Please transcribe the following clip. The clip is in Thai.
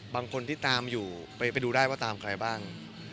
บางคนที่ตามอยู่ไปดูได้ว่าตามใครบ้าง